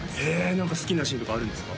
何か好きなシーンとかあるんですか？